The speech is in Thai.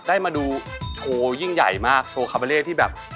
ได้มาดูโชว์ยิ่งใหญ่มากโชว์คาเบอร์เล่ที่แบบ